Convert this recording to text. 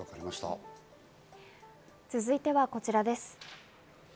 続いてこちらです。